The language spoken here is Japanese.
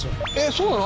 そうなの？